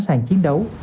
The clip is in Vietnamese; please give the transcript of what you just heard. và sẵn sàng chiến đấu